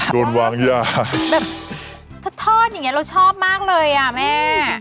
ถ้าทอดอย่างงี้เราชอบมากเลยอะแม่